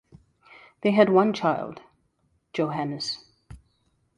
They had one child, Johannes.